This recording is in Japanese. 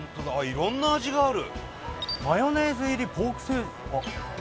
いろんな味がある。